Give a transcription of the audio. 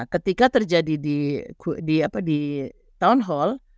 ketika terjadi di town hall